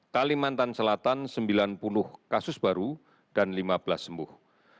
kalimantan selatan sembilan puluh kasus baru dan lima belas sembuh